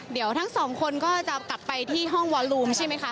เดี๋ยวทั้งสองคนก็จะกลับไปที่ห้องวอลูมใช่ไหมคะ